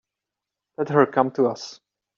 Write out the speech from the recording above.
Let her come to us.